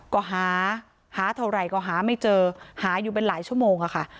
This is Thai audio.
ก็หาหาเท่าไหร่ก็หาไม่เจอหาอยู่เป็นหลายชั่วโมงค่ะ